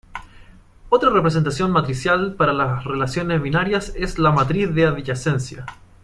Otra representación matricial para las relaciones binarias es la matriz de adyacencia.